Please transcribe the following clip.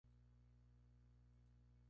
Erskine tiene ascendencia japonesa.